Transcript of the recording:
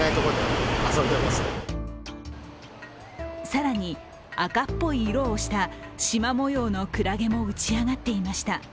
更に赤っぽい色をしたしま模様のクラゲも打ち上がっていました。